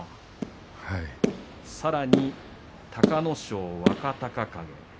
さらに隆の勝、若隆景